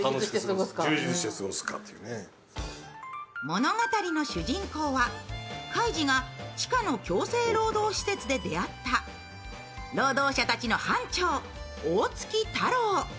物語の主人公は、カイジが地下の強制労働施設で出会った労働者たちのハンチョウ、大槻太郎。